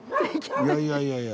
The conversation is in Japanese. いやいやいやいや。